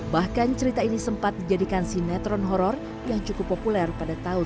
bahkan cerita ini sempat dijadikan sinetron horror yang cukup populer pada tahun sembilan puluh an